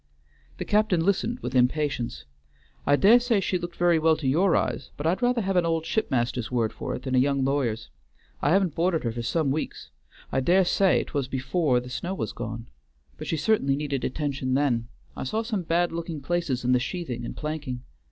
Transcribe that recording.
The captain listened with impatience. "I dare say she looked very well to your eyes, but I'd rather have an old ship master's word for it than a young lawyer's. I haven't boarded her for some weeks; I dare say 'twas before the snow was gone; but she certainly needed attention then. I saw some bad looking places in the sheathing and planking.